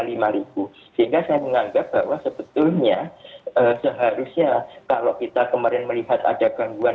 sehingga saya menganggap bahwa sebetulnya seharusnya kalau kita kemarin melihat ada gangguan